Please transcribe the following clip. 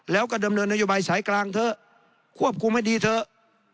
แล้วก็ดำเนินนโยบายสายกลางเถอะควบคุมให้ดีเถอะ